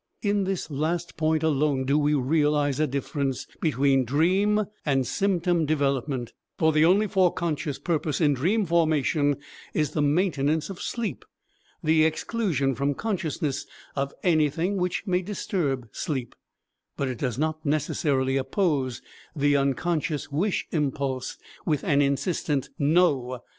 In this last point alone do we realize a difference between dream and symptom development, for the only fore conscious purpose in dream formation is the maintenance of sleep, the exclusion from consciousness of anything which may disturb sleep; but it does not necessarily oppose the unconscious wish impulse with an insistent "No."